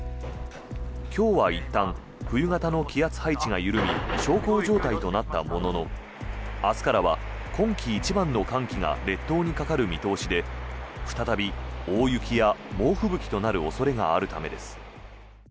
今日はいったん冬型の気圧配置が緩み小康状態となったものの明日からは今季一番の寒気が列島にかかる見通しで再び大雪や猛吹雪となる恐れがあるためです。